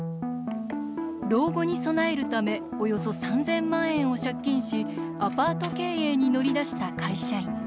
老後に備えるためおよそ３０００万円を借金しアパート経営に乗り出した会社員。